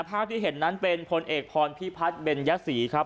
ภาพที่เห็นนั้นเป็นพลเอกพรพิพัฒน์เบญยศรีครับ